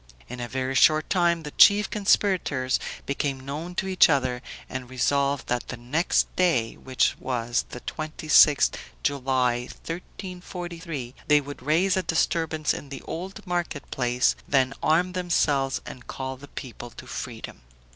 In a very short time the chief conspirators became known to each other, and resolved that the next day, which was the 26th July, 1343, they would raise a disturbance in the Old Market place, then arm themselves and call the people to freedom.